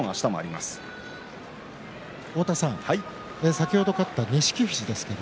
先ほど勝った錦富士です。